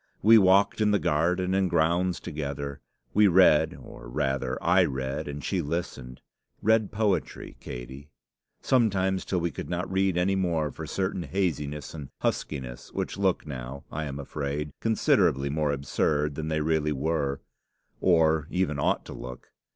We walked in the garden and grounds together; we read, or rather I read and she listened; read poetry, Katey sometimes till we could not read any more for certain haziness and huskiness which look now, I am afraid, considerably more absurd than they really were, or even ought to look.